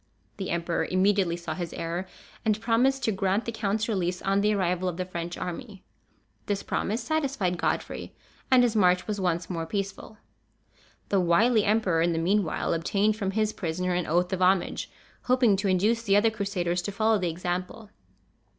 The emperor immediately saw his error, and promised to grant the count's release on the arrival of the French army. This promise satisfied Godfrey, and his march was once more peaceful. The wily emperor, in the meanwhile, obtained from his prisoner an oath of homage, hoping to induce the other Crusaders to follow the example.